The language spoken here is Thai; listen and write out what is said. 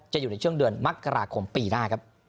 จะอยู่ในช่วงเดือนมกราคมปีหน้าครับ